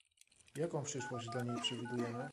Jaką przyszłość dla niej przewidujemy?